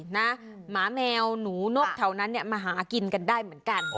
หมาแมวหนูนกแถวนั้นเนี่ยมาหากินกันได้เหมือนกัน